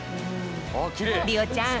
りおちゃん